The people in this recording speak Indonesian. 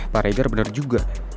pak reiger bener juga